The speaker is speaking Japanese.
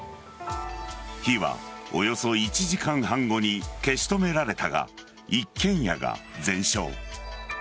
火は、およそ１時間半後に消し止められたが一軒家が全焼。